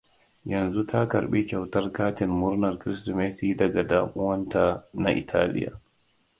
Yanzu ta karbi kyautar katin murnar kirsimeti daga danuwanta na Italiya.